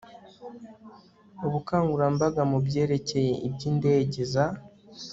ubukagurambaga mu byerekeye iby indege za